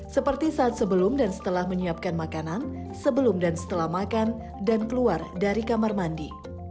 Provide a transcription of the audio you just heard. seperti saat sebelum dan setelah menyiapkan makanan sebelum dan setelah makan dan keluar dari kamar mandi